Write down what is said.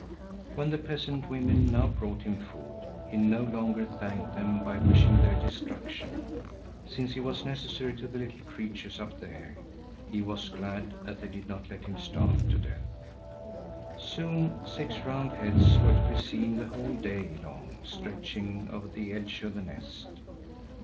When the peasant women now brought him food, he no longer thanked them by wishing their destruction. Since he was necessary to the little creatures up there, he was glad that they did not let him starve to death. Soon six round heads were to be seen the whole day long stretching over the edge of the nest.